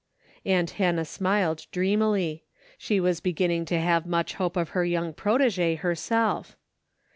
Aunt Hannah smiled dreamily. She was beginning to have much hope of her young protegee herself.